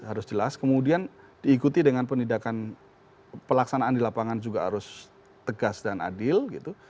harus jelas kemudian diikuti dengan penindakan pelaksanaan di lapangan juga harus tegas dan adil gitu